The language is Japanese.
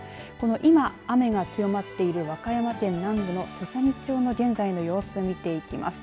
今、雨が強まっている和歌山県南部のすさみ町の現在の様子を見ていきます。